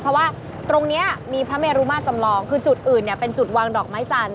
เพราะว่าตรงนี้มีพระเมรุมาตรจำลองคือจุดอื่นเนี่ยเป็นจุดวางดอกไม้จันท